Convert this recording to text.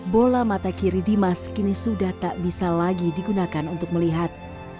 bola mata kiri dimas kini sudah tak bisa lagi digunakan untuk melihat